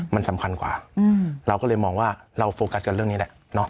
มันสำคัญกว่าเราก็เลยมองว่าเราโฟกัสกันเรื่องนี้แหละ